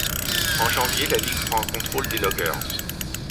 En janvier, la ligue prend contrôle des Loggers.